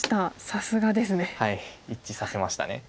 さすがですね。一致させました。